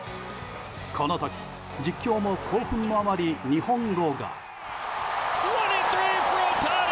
この時、実況も興奮の余り日本語が。